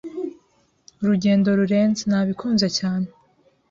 'Urugendo Rurenze'Nabikunze cyane